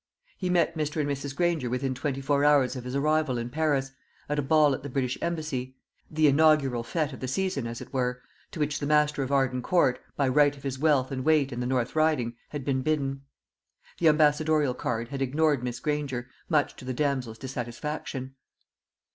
He met Mr. and Mrs. Granger within twenty four hours of his arrival in Paris, at a ball at the British embassy the inaugural fête of the season, as it were, to which the master of Arden Court, by right of his wealth and weight in the North Riding, had been bidden. The ambassadorial card had ignored Miss Granger, much to the damsel's dissatisfaction.